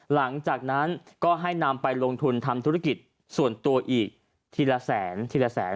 หลังจากนั้นก็ให้นำไปลงทุนทำธุรกิจส่วนตัวอีกทีละแสนทีละแสน